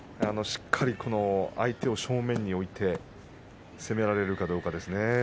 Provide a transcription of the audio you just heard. しっかり相手を正面に置いて攻められるかどうかですね。